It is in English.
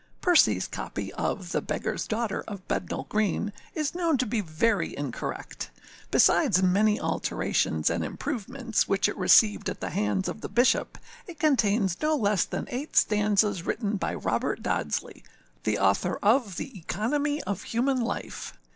[PERCYâS copy of The Beggarâs Daughter of Bednall Green is known to be very incorrect: besides many alterations and improvements which it received at the hands of the Bishop, it contains no less than eight stanzas written by Robert Dodsley, the author of The Economy of Human Life.